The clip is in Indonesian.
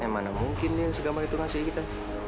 eh mana mungkin dia yang segala itu ngasih kita